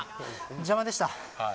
邪魔でした。